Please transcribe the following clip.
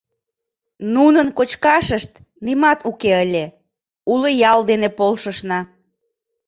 Нунын кочкашышт нимат уке ыле, уло ял дене полшышна.